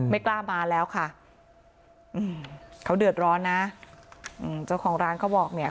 ไม่กล้ามาแล้วค่ะอืมเขาเดือดร้อนนะอืมเจ้าของร้านเขาบอกเนี่ย